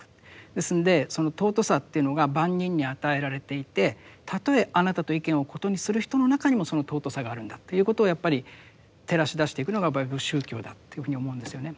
ですんでその尊さというのが万人に与えられていてたとえあなたと意見を異にする人の中にもその尊さがあるんだということをやっぱり照らし出していくのが宗教だっていうふうに思うんですよね。